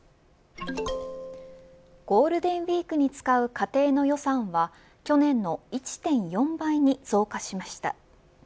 ゴールデンウイークに使う家庭の予算は去年の１．４倍に増加しました。